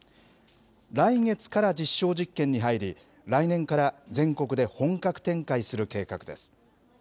来月から実証実験に入り、来年から全国で本格展開する計画です。